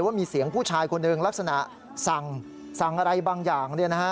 ว่ามีเสียงผู้ชายคนหนึ่งลักษณะสั่งอะไรบางอย่าง